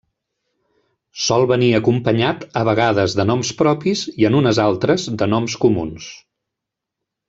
Sol venir acompanyat a vegades de noms propis i en unes altres de noms comuns.